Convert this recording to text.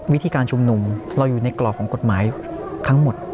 วิธีการชุมนุมเราอยู่ในกรอบของกฎหมายทั้งหมด